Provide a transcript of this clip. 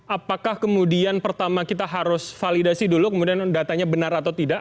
apakah kemudian pertama kita harus validasi dulu kemudian datanya benar atau tidak